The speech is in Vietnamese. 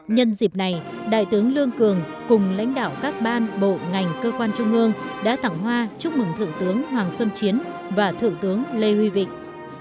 nhân dịp này đại tướng lương cường cùng lãnh đạo các ban bộ ngành cơ quan trung ương đã thẳng hoa chúc mừng thượng tướng hoàng xuân chiến và thượng tướng lê huy vịnh